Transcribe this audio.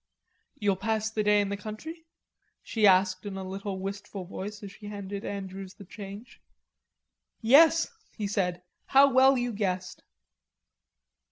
"You'll pass the day in the country?" she asked in a little wistful voice as she handed Andrews the change. "Yes," he said, "how well you guessed."